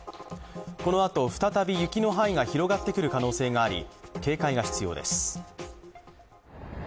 このあと再び雪の範囲が広がってくる可能性があり、警戒が必要です。